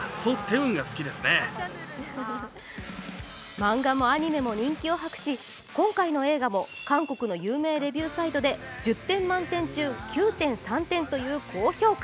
漫画もアニメも人気を博し、今回の映画も韓国の有名レビューサイトで１０点満点中９．３点という高評価。